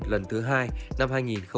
lần thứ hai năm hai nghìn hai mươi ba